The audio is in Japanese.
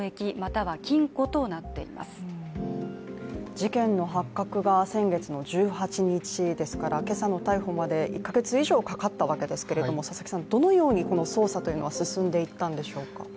事件の発覚が先月の１８日ですから今朝の逮捕まで１か月以上かかったわけですけれどもどのように捜査は進んでいったんでしょうか？